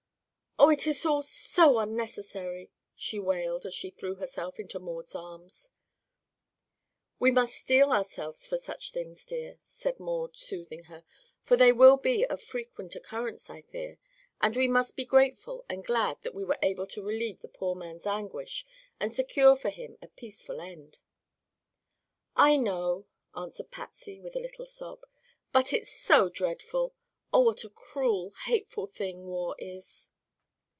"Oh, it is all so unnecessary!" she wailed as she threw herself into Maud's arms. "We must steel ourselves to such things, dear," said Maud, soothing her, "for they will be of frequent occurrence, I fear. And we must be grateful and glad that we were able to relieve the poor man's anguish and secure for him a peaceful end." "I know," answered Patsy with a little sob, "but it's so dreadful. Oh, what a cruel, hateful thing war is!"